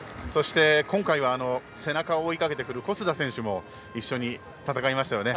今回は、背中を追いかけてくる小須田選手も一緒に戦いましたよね。